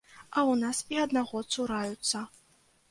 А ў нас і аднаго цураюцца.